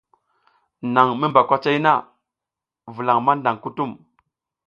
Naƞ mi mba kwacay na, vulaƞ maƞdaƞ kutum.